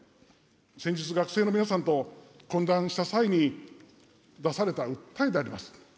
先日、学生の皆さんと懇談した際に出された訴えであります。